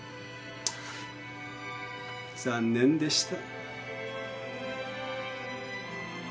残念でした。